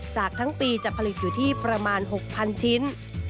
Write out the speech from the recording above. จากทั้งปีจะผลิตอยู่ที่ประมาณ๖๐๐๐ชิ้น